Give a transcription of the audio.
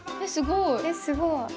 すごい。